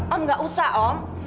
om nggak usah om